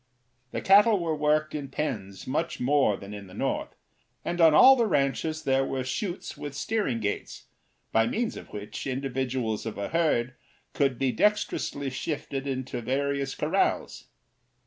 The cattle were worked in pens much more than in the North, and on all the ranches there were chutes with steering gates, by means of which individuals of a herd could be dexterously shifted into various corrals.